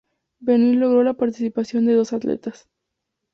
Benín logró la participación de dos atletas.